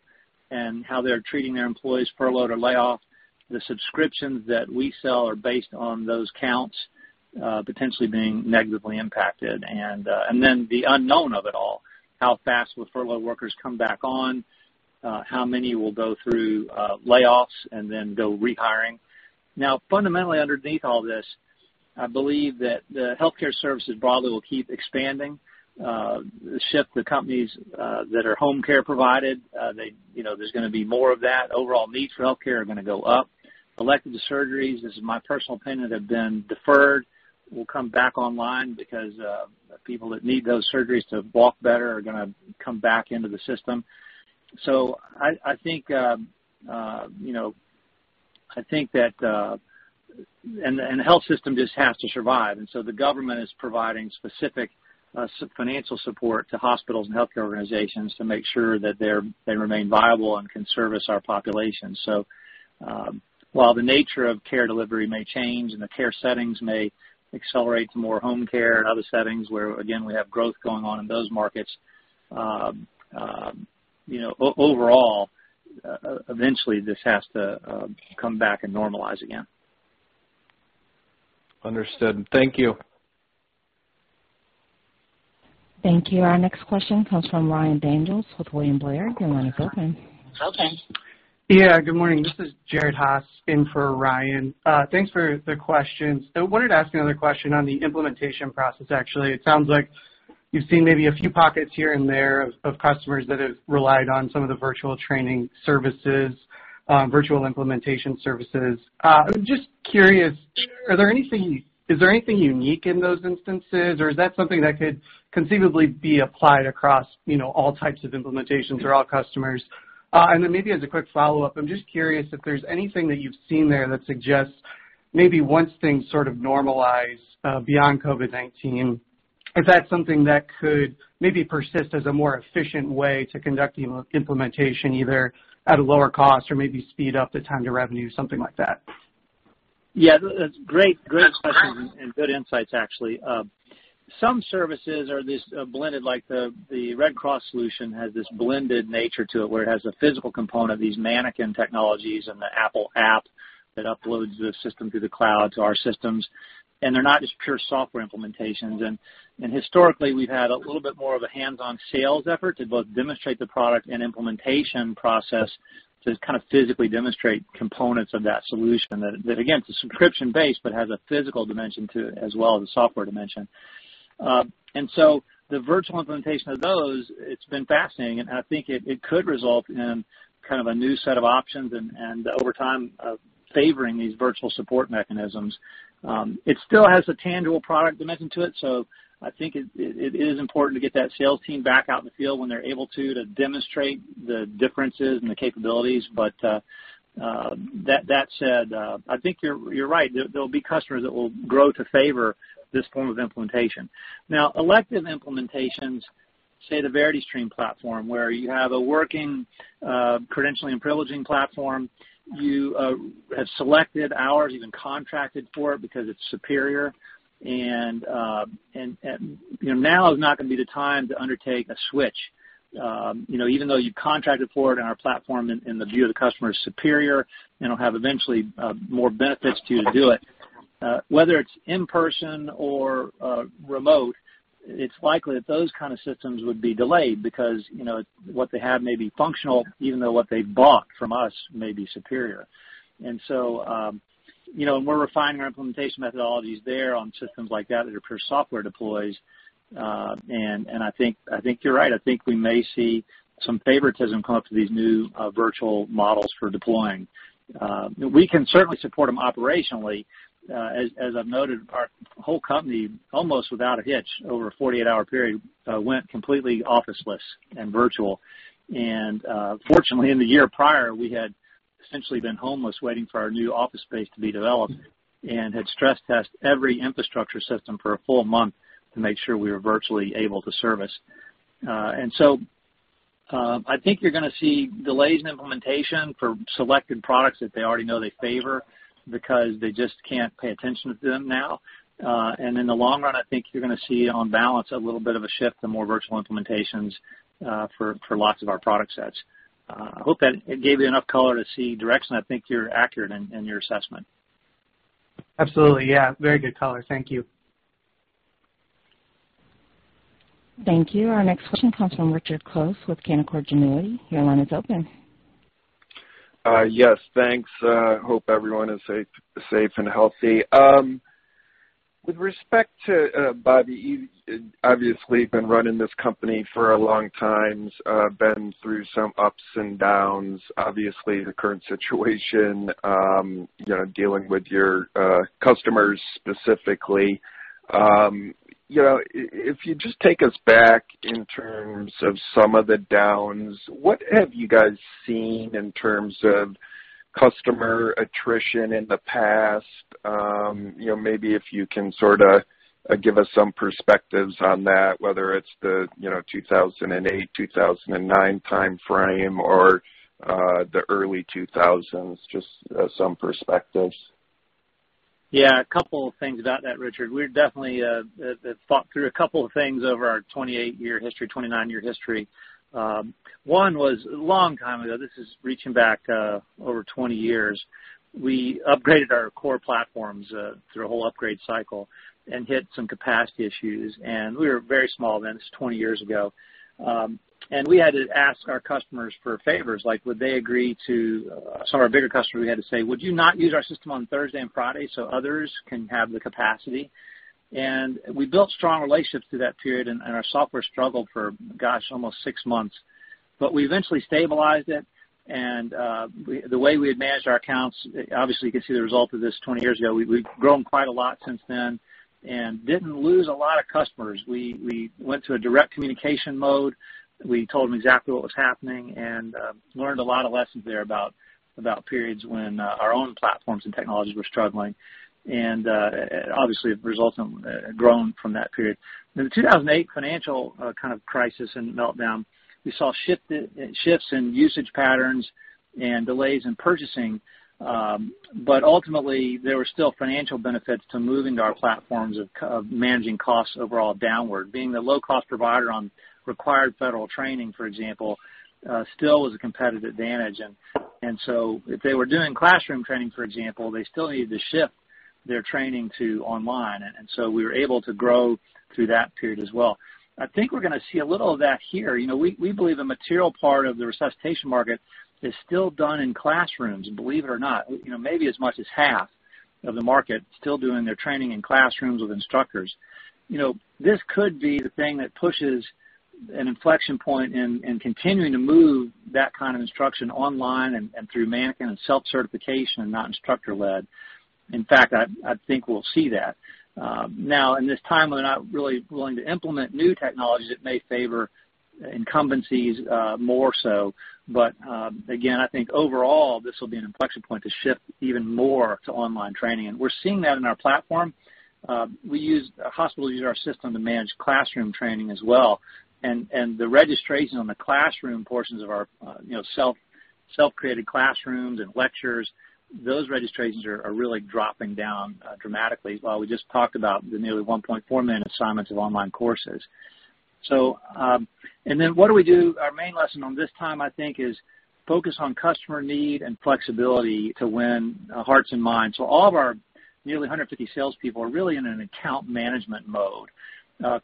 and how they're treating their employees' furlough to layoff. The subscriptions that we sell are based on those counts potentially being negatively impacted. The unknown of it all, how fast will furlough workers come back on? How many will go through layoffs and then go rehiring? Fundamentally underneath all this, I believe that the healthcare services broadly will keep expanding. The shift to companies that are home care provided, there's going to be more of that. Overall needs for healthcare are going to go up. Elective surgeries, this is my personal opinion, have been deferred, will come back online because people that need those surgeries to walk better are going to come back into the system. The health system just has to survive, the government is providing specific financial support to hospitals and healthcare organizations to make sure that they remain viable and can service our population. While the nature of care delivery may change and the care settings may accelerate to more home care and other settings where, again, we have growth going on in those markets, overall, eventually this has to come back and normalize again. Understood. Thank you. Thank you. Our next question comes from Ryan Daniels with William Blair. Your line is open. Good morning. This is Jared Haase in for Ryan. Thanks for the questions. I wanted to ask another question on the implementation process, actually. It sounds like you've seen maybe a few pockets here and there of customers that have relied on some of the virtual training services, virtual implementation services. I'm just curious, is there anything unique in those instances, or is that something that could conceivably be applied across all types of implementations or all customers? Maybe as a quick follow-up, I'm just curious if there's anything that you've seen there that suggests maybe once things sort of normalize beyond COVID-19, if that's something that could maybe persist as a more efficient way to conduct implementation, either at a lower cost or maybe speed up the time to revenue, something like that. Yeah. Great questions and good insights, actually. Some services are these blended, like the Red Cross solution has this blended nature to it where it has a physical component, these mannequin technologies and the Apple app that uploads the system to the cloud, to our systems, and they're not just pure software implementations. Historically, we've had a little bit more of a hands-on sales effort to both demonstrate the product and implementation process to kind of physically demonstrate components of that solution that, again, it's subscription-based, but has a physical dimension to it as well as a software dimension. The virtual implementation of those, it's been fascinating, and I think it could result in kind of a new set of options and, over time, favoring these virtual support mechanisms. It still has a tangible product dimension to it, so I think it is important to get that sales team back out in the field when they're able to demonstrate the differences and the capabilities. That said, I think you're right. There will be customers that will grow to favor this form of implementation. Now, elective implementations, say the VerityStream platform, where you have a working credentialing and privileging platform. You have selected ours, even contracted for it because it's superior, and now is not going to be the time to undertake a switch. Even though you've contracted for it and our platform, in the view of the customer, is superior and it will have eventually more benefits to do it. Whether it's in-person or remote, it's likely that those kind of systems would be delayed because what they have may be functional, even though what they bought from us may be superior. We're refining our implementation methodologies there on systems like that are pure software deploys. I think you're right. I think we may see some favoritism come up to these new virtual models for deploying. We can certainly support them operationally. As I've noted, our whole company, almost without a hitch, over a 48-hour period, went completely officeless and virtual. Fortunately, in the year prior, we had essentially been homeless, waiting for our new office space to be developed, and had stress test every infrastructure system for a full month to make sure we were virtually able to service. I think you're going to see delays in implementation for selected products that they already know they favor because they just can't pay attention to them now. In the long run, I think you're going to see, on balance, a little bit of a shift to more virtual implementations for lots of our product sets. I hope that it gave you enough color to see direction. I think you're accurate in your assessment. Absolutely. Yeah. Very good color. Thank you. Thank you. Our next question comes from Richard Close with Canaccord Genuity. Your line is open. Yes, thanks. Hope everyone is safe and healthy. With respect to, Robert, you obviously have been running this company for a long time, been through some ups and downs, obviously the current situation, dealing with your customers specifically. If you just take us back in terms of some of the downs, what have you guys seen in terms of customer attrition in the past? Maybe if you can sort of give us some perspectives on that, whether it's the 2008, 2009 timeframe or the early 2000s, just some perspectives. A couple of things about that, Richard. We've definitely thought through a couple of things over our 28-year history, 29-year history. One was a long time ago. This is reaching back over 20 years. We upgraded our core platforms through a whole upgrade cycle and hit some capacity issues. We were very small then. This is 20 years ago. We had to ask our customers for favors, like some of our bigger customers, we had to say, "Would you not use our system on Thursday and Friday so others can have the capacity?" We built strong relationships through that period, and our software struggled for, gosh, almost six months. We eventually stabilized it, and the way we had managed our accounts, obviously you can see the result of this 20 years ago. We've grown quite a lot since then and didn't lose a lot of customers. We went to a direct communication mode. We told them exactly what was happening and learned a lot of lessons there about periods when our own platforms and technologies were struggling, and obviously the results have grown from that period. In the 2008 financial kind of crisis and meltdown, we saw shifts in usage patterns and delays in purchasing. Ultimately, there were still financial benefits to moving to our platforms of managing costs overall downward. Being the low-cost provider on required federal training, for example, still was a competitive advantage. If they were doing classroom training, for example, they still needed to shift their training to online, and so we were able to grow through that period as well. I think we're going to see a little of that here. We believe a material part of the resuscitation market is still done in classrooms, believe it or not. Maybe as much as half of the market still doing their training in classrooms with instructors. This could be the thing that pushes an inflection point in continuing to move that kind of instruction online and through mannequin and self-certification and not instructor-led. In fact, I think we'll see that. In this time, we're not really willing to implement new technologies that may favor incumbencies more so. Again, I think overall, this will be an inflection point to shift even more to online training, and we're seeing that in our platform. Hospitals use our system to manage classroom training as well. The registration on the classroom portions of our self-created classrooms and lectures, those registrations are really dropping down dramatically while we just talked about the nearly 1.4 million assignments of online courses. What do we do? Our main lesson on this time, I think, is focus on customer need and flexibility to win hearts and minds. All of our nearly 150 salespeople are really in an account management mode,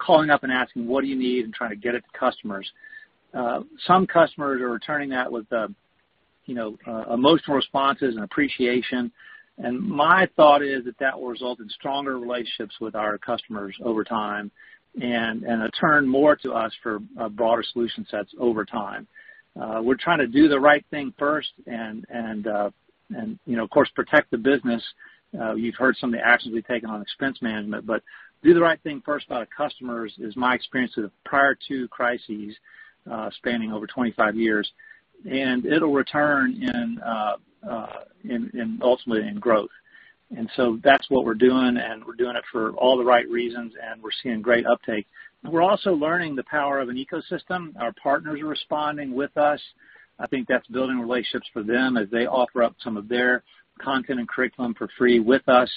calling up and asking, "What do you need?" and trying to get it to customers. Some customers are returning that with emotional responses and appreciation. My thought is that that will result in stronger relationships with our customers over time and a turn more to us for broader solution sets over time. We're trying to do the right thing first and of course, protect the business. You've heard some of the actions we've taken on expense management, but do the right thing first by the customers is my experience with prior to crises spanning over 25 years, and it'll return ultimately in growth. That's what we're doing, and we're doing it for all the right reasons, and we're seeing great uptake. We're also learning the power of an ecosystem. Our partners are responding with us. I think that's building relationships for them as they offer up some of their content and curriculum for free with us.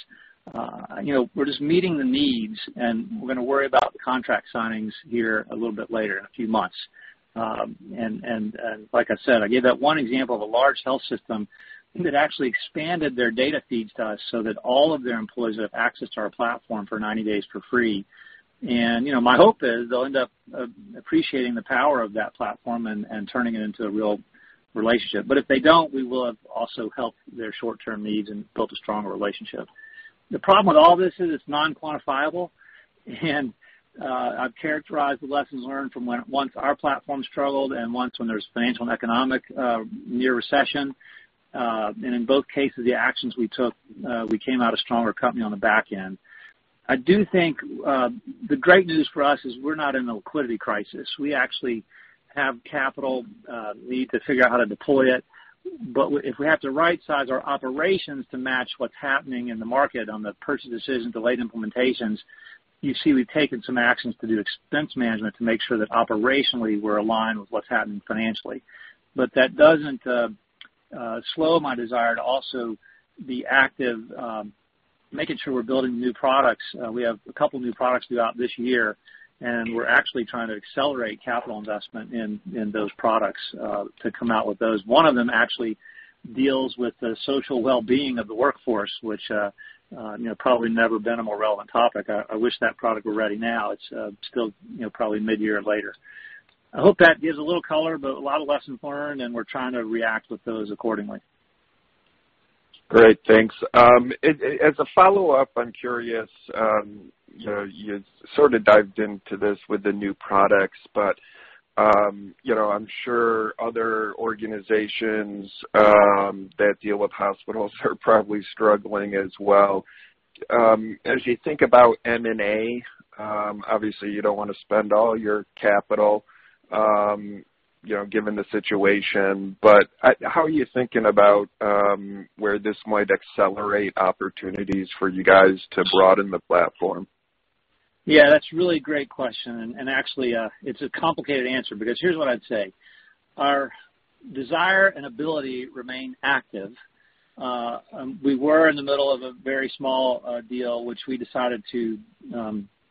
We're just meeting the needs, and we're going to worry about the contract signings here a little bit later in a few months. Like I said, I gave that one example of a large health system that actually expanded their data feeds to us so that all of their employees have access to our platform for 90 days for free. My hope is they'll end up appreciating the power of that platform and turning it into a real relationship. If they don't, we will have also helped their short-term needs and built a stronger relationship. The problem with all this is it's non-quantifiable, and I've characterized the lessons learned from when once our platform struggled and once when there's financial and economic near recession. In both cases, the actions we took, we came out a stronger company on the back end. I do think the great news for us is we're not in a liquidity crisis. We actually have capital. We need to figure out how to deploy it. If we have to right-size our operations to match what's happening in the market on the purchase decisions, delayed implementations, you see we've taken some actions to do expense management to make sure that operationally we're aligned with what's happening financially. That doesn't slow my desire to also be active, making sure we're building new products. We have a couple new products due out this year, and we're actually trying to accelerate capital investment in those products to come out with those. One of them actually deals with the social wellbeing of the workforce, which probably never been a more relevant topic. I wish that product were ready now. It's still probably mid-year or later. I hope that gives a little color, but a lot of lessons learned, and we're trying to react with those accordingly. Great. Thanks. As a follow-up, I'm curious, you sort of dived into this with the new products, but I'm sure other organizations that deal with hospitals are probably struggling as well. As you think about M&A, obviously you don't want to spend all your capital, given the situation, but how are you thinking about where this might accelerate opportunities for you guys to broaden the platform? Yeah, that's a really great question. Actually, it's a complicated answer because here's what I'd say. Our desire and ability remain active. We were in the middle of a very small deal, which we decided to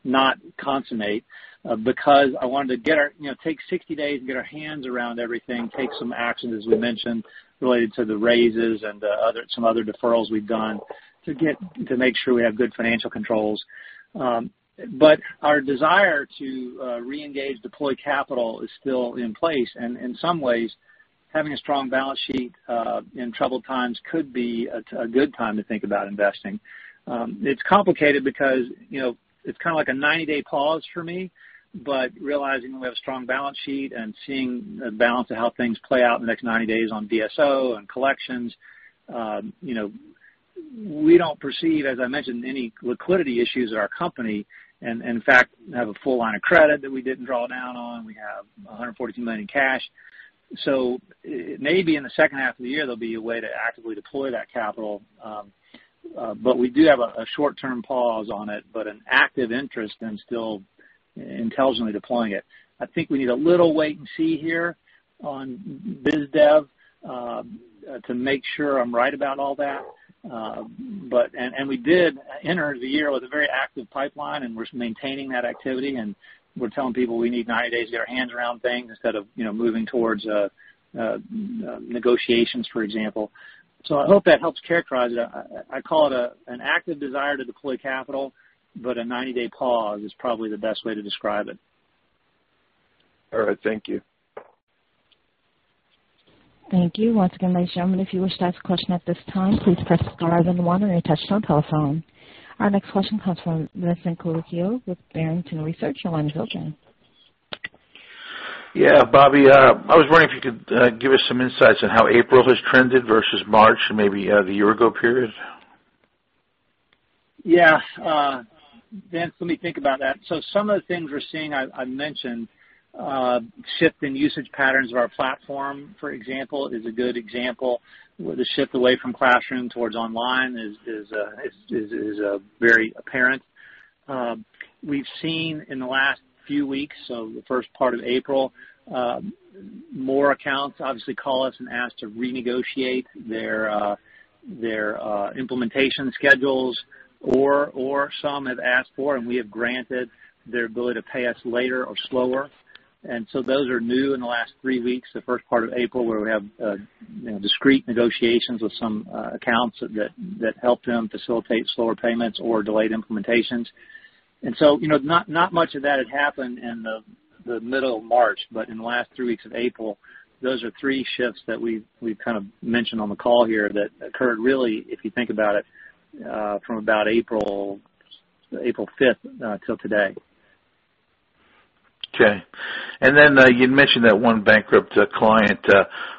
not consummate because I wanted to take 60 days and get our hands around everything, take some actions, as we mentioned, related to the raises and some other deferrals we've done to make sure we have good financial controls. Our desire to reengage deployed capital is still in place. In some ways, having a strong balance sheet in troubled times could be a good time to think about investing. It's complicated because it's kind of like a 90-day pause for me, but realizing we have a strong balance sheet and seeing the balance of how things play out in the next 90 days on DSO and collections. We don't perceive, as I mentioned, any liquidity issues at our company. In fact, we have a full line of credit that we didn't draw down on. We have $142 million in cash. Maybe in the second half of the year, there'll be a way to actively deploy that capital. We do have a short-term pause on it, but an active interest in still intelligently deploying it. I think we need a little wait and see here on biz dev to make sure I'm right about all that. We did enter the year with a very active pipeline, and we're maintaining that activity, and we're telling people we need 90 days to get our hands around things instead of moving towards negotiations, for example. I hope that helps characterize it. I call it an active desire to deploy capital, but a 90-day pause is probably the best way to describe it. All right. Thank you. Thank you. Once again, ladies and gentlemen, if you wish to ask a question at this time, please press star then one on your touchtone telephone. Our next question comes from Vincent Colicchio with Barrington Research. Your line is open. Yeah. Robert, I was wondering if you could give us some insights on how April has trended versus March and maybe the year-ago period. Yeah. Vincent, let me think about that. Some of the things we're seeing, I mentioned shift in usage patterns of our platform, for example, is a good example, where the shift away from classroom towards online is very apparent. We've seen in the last few weeks, the first part of April, more accounts obviously call us and ask to renegotiate their implementation schedules, or some have asked for and we have granted their ability to pay us later or slower. Those are new in the last three weeks, the first part of April, where we have discrete negotiations with some accounts that helped them facilitate slower payments or delayed implementations. Not much of that had happened in the middle of March, but in the last three weeks of April, those are three shifts that we've kind of mentioned on the call here that occurred, really, if you think about it, from about April 5th till today. Okay. You'd mentioned that one bankrupt client.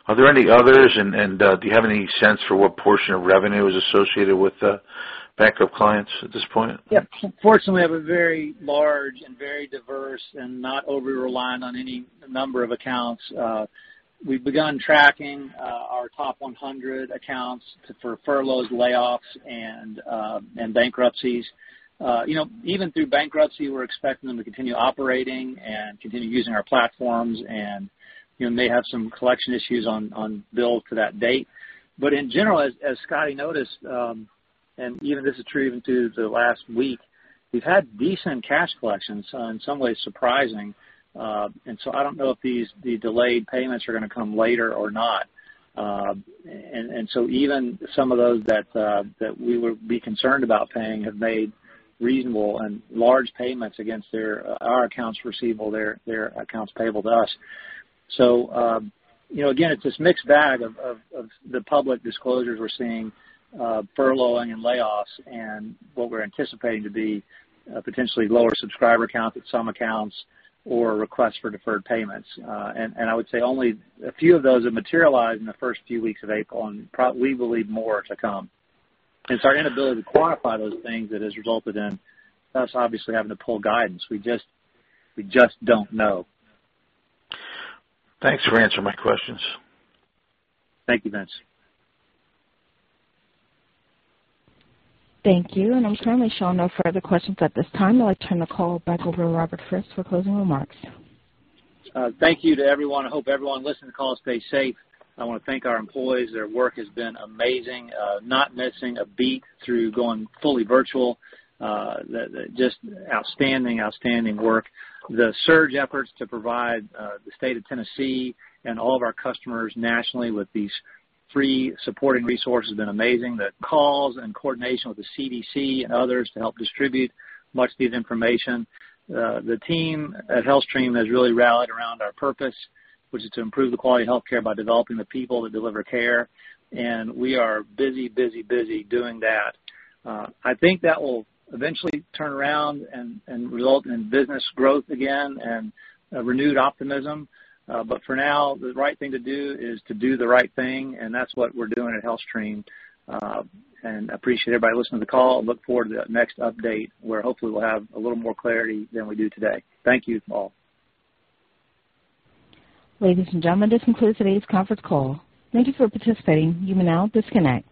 Are there any others, and do you have any sense for what portion of revenue is associated with bankrupt clients at this point? Yeah. Fortunately, we have a very large and very diverse and not overly reliant on any number of accounts. We've begun tracking our top 100 accounts for furloughs, layoffs, and bankruptcies. Even through bankruptcy, we're expecting them to continue operating and continue using our platforms, and may have some collection issues on bills to that date. In general, as Scott noticed, and even this is true even to the last week, we've had decent cash collections, in some ways surprising. I don't know if the delayed payments are going to come later or not. Even some of those that we would be concerned about paying have made reasonable and large payments against our accounts receivable, their accounts payable to us. Again, it's this mixed bag of the public disclosures we're seeing, furloughing and layoffs and what we're anticipating to be potentially lower subscriber count at some accounts or requests for deferred payments. I would say only a few of those have materialized in the first few weeks of April, and we believe more to come. It's our inability to quantify those things that has resulted in us obviously having to pull guidance. We just don't know. Thanks for answering my questions. Thank you, Vince. Thank you. I'm currently showing no further questions at this time. I'd like to turn the call back over to Robert Frist for closing remarks. Thank you to everyone. I hope everyone listening to the call stays safe. I want to thank our employees. Their work has been amazing, not missing a beat through going fully virtual. Just outstanding work. The surge efforts to provide the State of Tennessee and all of our customers nationally with these free supporting resources has been amazing. The calls and coordination with the CDC and others to help distribute much-needed information. The team at HealthStream has really rallied around our purpose, which is to improve the quality of healthcare by developing the people that deliver care. We are busy doing that. I think that will eventually turn around and result in business growth again and renewed optimism. For now, the right thing to do is to do the right thing, and that's what we're doing at HealthStream. I appreciate everybody listening to the call, and look forward to that next update, where hopefully we'll have a little more clarity than we do today. Thank you all. Ladies and gentlemen, this concludes today's conference call. Thank you for participating. You may now disconnect.